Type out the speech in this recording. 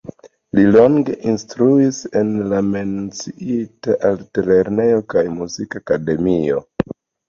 Li longe instruis en la menciita altlernejo kaj Muzikakademio.